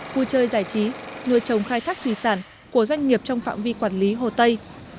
vui chơi giải trí nuôi trồng khai thác thủy sản của doanh nghiệp trong phạm vi quản lý hồ tây